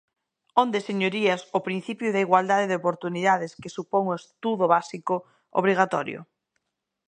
¿Onde señorías, o principio da igualdade de oportunidades que supón o estudo básico obrigatorio?